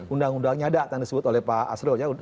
undang undangnya ada yang disebut oleh pak asro